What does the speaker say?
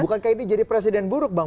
bukankah ini jadi presiden buruk bang